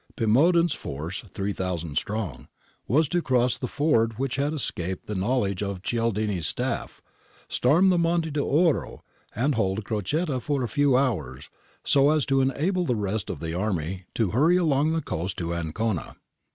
Pimodan's force, 3000 strong, was to cross the ford which had escaped the knowledge of Cialdini's staff, storm the Monte d'Oro and hold Crocette for a few hours, so as to enable the rest of the army to hurry along the coast into Ancona.